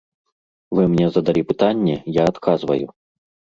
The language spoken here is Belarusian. Вы мне задалі пытанне, я адказваю.